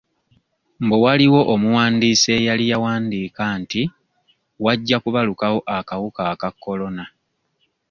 Mbu waliwo omuwandiisi eyali yawandiika nti wajja kubalukawo akawuka aka Corona.